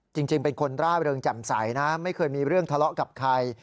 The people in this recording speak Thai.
จริงเป็นคนร่าเริงแจ่มใสนะไม่เคยมีเรื่องทะเลาะกับใคร